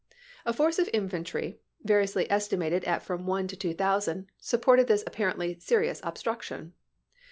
A force of infantry, variously estimated at from one to two thousand, supported this apparently serious obstruction.